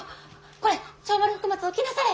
これ長丸福松起きなされ！